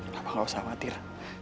papa gak usah khawatir